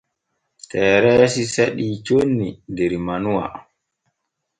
Tereesi seɗii conni der manuwa.